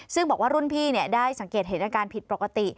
ซึ่งบอกว่ารุ่นพี่ได้สังเกตเห็นอาการผิดปกติ